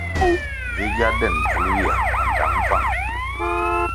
Vi gya den bvul ywia na ndtang bvang,